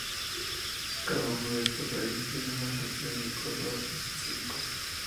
Cada uno de estos rayos tiene una función y color específicos.